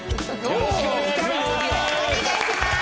よろしくお願いします。